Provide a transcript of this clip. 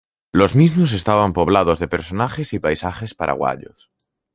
Los mismos estaban poblados de personajes y paisajes paraguayos.